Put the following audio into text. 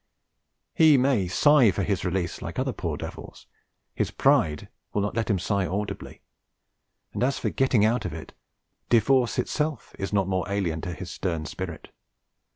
He may sigh for his release like other poor devils; his pride will not let him sigh audibly; and as for 'getting out of it,' divorce itself is not more alien to his stern spirit.